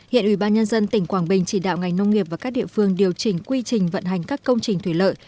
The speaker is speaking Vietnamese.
hiện ủy ban nhân dân tỉnh quảng bình chỉ đạo ngành nông nghiệp và các địa phương điều chỉnh quy trình vận hành các công trình thủy lợi